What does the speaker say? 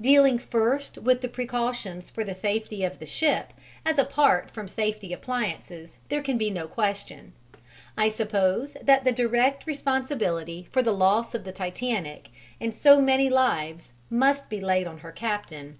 Dealing first with the precautions for the safety of the ship as apart from safety appliances, there can be no question, I suppose, that the direct responsibility for the loss of the Titanic and so many lives must be laid on her captain.